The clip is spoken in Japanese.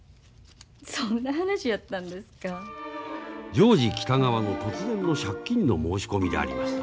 ジョージ北川の突然の借金の申し込みであります。